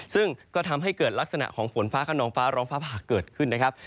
ซึ่งก็ทำให้เกิดลักษณะของฝนฟ้าขนองฟ้าร้องฟ้าผ่าเกิดขึ้นนะครับ